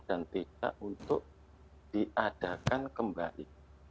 dan tidak untuk diadakan kembali